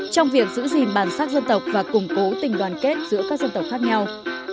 trong việc giữ gìn bản sắc dân tộc và củng cố tình đoàn kết giữa các dân tộc khác nhau